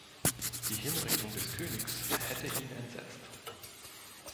Die Hinrichtung des Königs hätte ihn entsetzt.